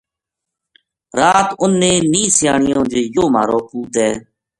رات انھ نے نیہہ سیانیو جی یوہ مہارو پوت ہے